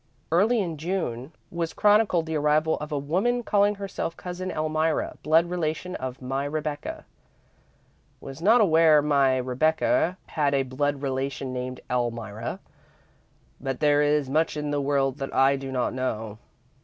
Early in June was chronicled the arrival of "a woman calling herself Cousin Elmira, blood relation of my Rebecca. Was not aware my Rebecca had a blood relation named Elmira, but there is much in the world that I do not know."